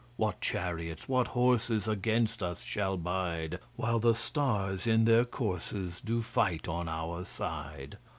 What chariots, what horses, Against us shall bide While the Stars in their courses Do fight on our side?